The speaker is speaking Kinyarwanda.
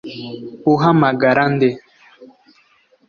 Uhamagara nde